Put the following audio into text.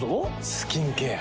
スキンケア。